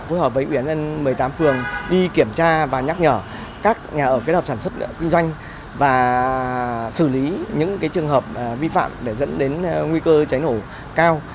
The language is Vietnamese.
phối hợp với ủy ban dân một mươi tám phường đi kiểm tra và nhắc nhở các nhà ở kết hợp sản xuất kinh doanh và xử lý những trường hợp vi phạm để dẫn đến nguy cơ cháy nổ cao